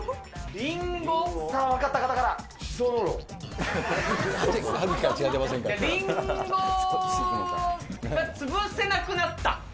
リンゴが潰せなくなった。